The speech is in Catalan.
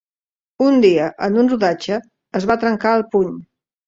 Un dia, en un rodatge, es va trencar el puny.